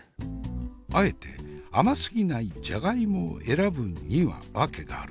あえて甘すぎないジャガイモを選ぶには訳がある。